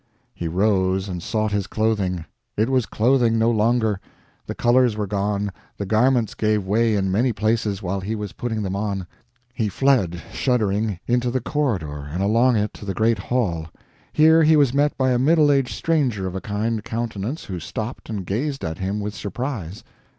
He rose and sought his clothing. It was clothing no longer. The colors were gone, the garments gave way in many places while he was putting them on. He fled, shuddering, into the corridor, and along it to the great hall. Here he was met by a middle aged stranger of a kind countenance, who stopped and gazed at him with surprise.